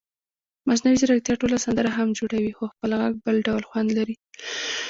مصنوعي ځیرکتیا ټوله سندره هم جوړوي خو خپل غږ بل ډول خوند لري.